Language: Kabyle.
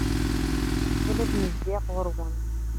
uqbel ad n-zziɣ ɣur-wen